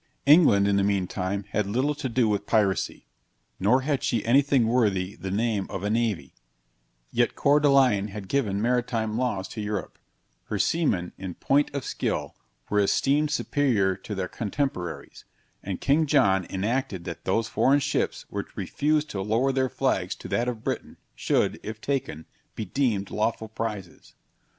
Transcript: England, in the mean time, had little to do with piracy; nor had she any thing worthy the name of a navy; yet Coeur de Lion had given maritime laws to Europe; her seamen, in point of skill, were esteemed superior to their contemporaries; and King John enacted that those foreign ships which refused to lower their flags to that of Britain should, if taken, be deemed lawful prizes.